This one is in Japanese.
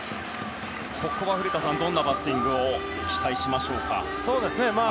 ここは古田さんどんなバッティングを期待しましょうか。